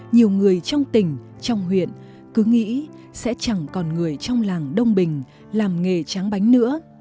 nhiều người trong tỉnh trong huyện cứ nghĩ sẽ chẳng còn người trong làng đông bình làm nghề tráng bánh nữa